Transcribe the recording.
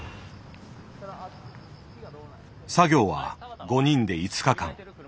作業は５人で５日間。